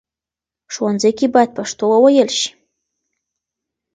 ښوونځي کې بايد پښتو وويل شي.